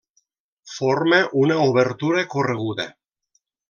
Forma una obertura correguda.